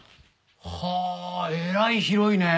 はあえらい広いね。